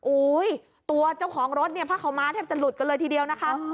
ตัวเจ้าของรถเนี่ยผ้าขาวม้าแทบจะหลุดกันเลยทีเดียวนะคะ